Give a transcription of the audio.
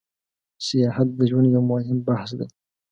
سیاحت د ژوند یو موهیم بحث ده